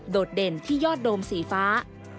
ดเด่นที่ยอดโดมสีฟ้า